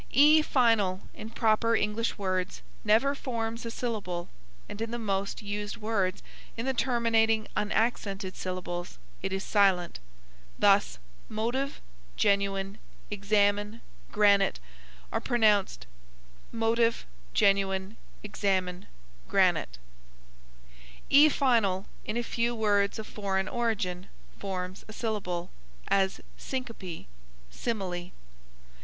E final in proper English words never forms a syllable, and in the most used words in the terminating unaccented syllables it is silent. Thus, motive, genuine, examine, granite, are pronounced motiv, genuin, examin, granit. E final, in a few words of foreign origin, forms a syllable; as syncope, simile.